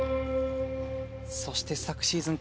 そして昨シーズン